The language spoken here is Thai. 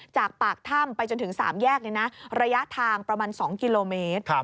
จากปากถ้ำไปจนถึง๓แยกระยะทางประมาณ๒กิโลเมตร